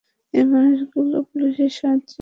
এই মানুষগুলো পুলিশের সাহায্য দরকার।